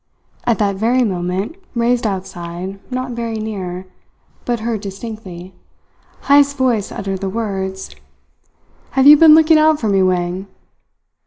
At that very moment, raised outside, not very near, but heard distinctly, Heyst's voice uttered the words: "Have you been looking out for me, Wang?"